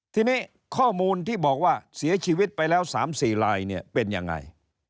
ทีนี้ข้อมูลที่บอกว่าเสียชีวิตไปแล้ว๓๔ลายเนี่ยเป็นยังไง